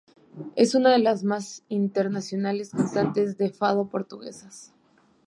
Es una de las más internacionales cantantes de fado portuguesas.